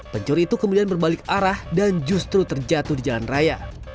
pencuri itu kemudian berbalik arah dan justru terjatuh di jalan raya